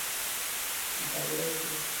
مقابله وکړو.